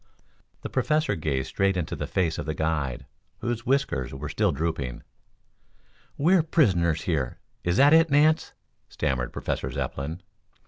The Professor gazed straight into the stern face of the guide, whose whiskers were still drooping. "We are prisoners here? Is that it, Nance?" stammered Professor Zepplin.